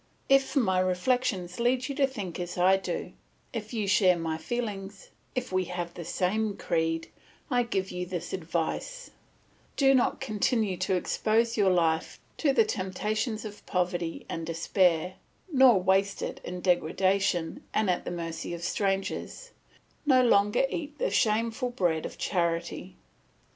"If my reflections lead you to think as I do, if you share my feelings, if we have the same creed, I give you this advice: Do not continue to expose your life to the temptations of poverty and despair, nor waste it in degradation and at the mercy of strangers; no longer eat the shameful bread of charity.